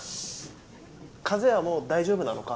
風邪はもう大丈夫なのか？